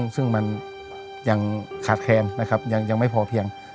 ซึ่งมันยังขาดแคมยังไม่พอเพียง